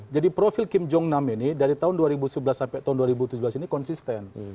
jadi profil kim jong enam ini dari tahun dua ribu sebelas sampai tahun dua ribu tujuh belas ini konsisten